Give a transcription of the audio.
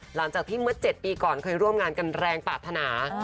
หลังจากที่เมื่อ๗ปีก่อนเคยร่วมงานกันแรงปรารถนา